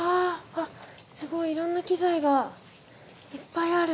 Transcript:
あっすごいいろんな機材がいっぱいある。